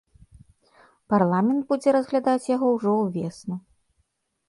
Парламент будзе разглядаць яго ўжо ўвесну.